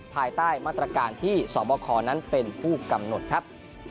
ภายใต้มาตรการที่สบคนั้นเป็นผู้กำหนดครับ